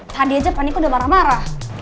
tadi aja paniko udah marah marah